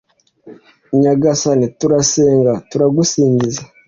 nyagasani, turagusenga, turagusingiza